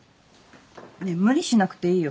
ねぇ無理しなくていいよ。